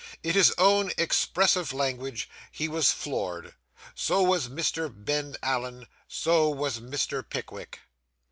In his own expressive language he was 'floored.' So was Mr. Ben Allen. So was Mr. Pickwick.